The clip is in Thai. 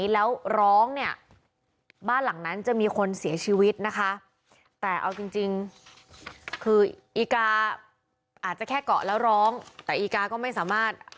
แล้วร้องแต่อีกาก็ไม่สามารถ